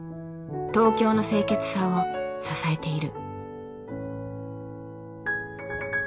東京の清潔さを支えている。